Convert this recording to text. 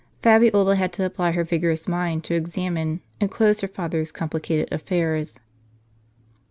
Fabiola had to apply her vigorous mind to examine, and close her father's complicated affairs.